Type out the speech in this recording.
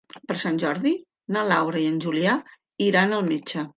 Per Sant Jordi na Laura i en Julià iran al metge.